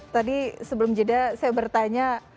tadi sebelum jeda saya bertanya